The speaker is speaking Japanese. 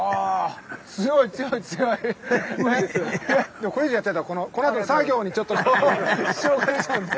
でもこれ以上やっちゃうとこのあとの作業にちょっと支障が出ちゃうんで。